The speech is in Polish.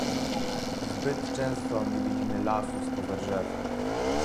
Zbyt często nie widzimy lasu spoza drzew